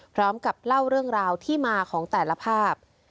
พร้อมกับเล่าเรื่องราวที่มาของแต่ละภาพ